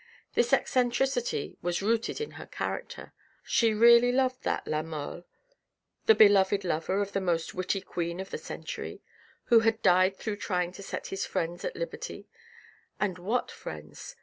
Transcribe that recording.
This eccentricity was rooted in her character. She really loved that la Mole, the beloved lover of the most witty queen of the century, who had died through trying to set his friends at liberty — and what friends